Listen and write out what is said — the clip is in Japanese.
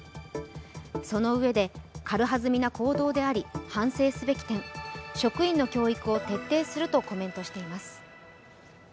そのうえで、軽はずみな行動であり反省すべき点、職員の教育を徹底するとコメントしています。